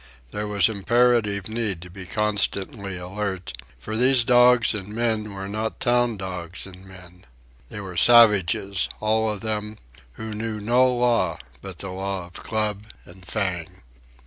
There was imperative need to be constantly alert; for these dogs and men were not town dogs and men. They were savages, all of them, who knew no law but the law of club and fang.